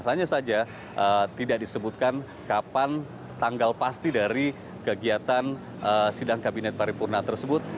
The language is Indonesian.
hanya saja tidak disebutkan kapan tanggal pasti dari kegiatan sidang kabinet paripurna tersebut